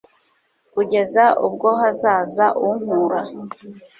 kugeza ubwo hazaza unkura